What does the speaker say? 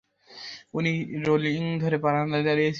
উনি রেলিং ধরে বারান্দায় দাঁড়িয়ে ছিলেন।